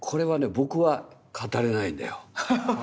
僕は語れないんだよ。